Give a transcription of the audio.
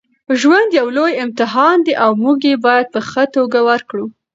ژوند یو لوی امتحان دی او موږ یې باید په ښه توګه ورکړو.